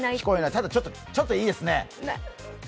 ただ、ちょっといいですね。